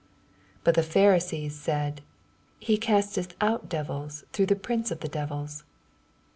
84 But the Pharisees sud, He casteth out derils through the prince of the devils.